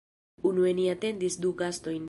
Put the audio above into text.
Unue ni atendis du gastojn